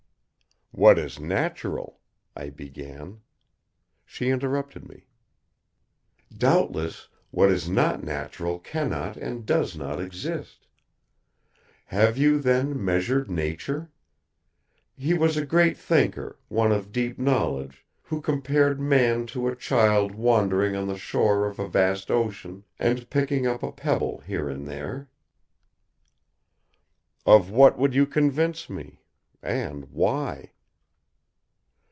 "What is natural," I began. She interrupted me. "Doubtless what is not natural cannot and does not exist. Have you, then, measured Nature? He was a great thinker, one of deep knowledge, who compared Man to a child wandering on the shore of a vast ocean and picking up a pebble here and there." "Of what would you convince me? And, why?"